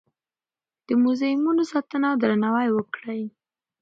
د موزیمونو ساتنه او درناوی وکړئ.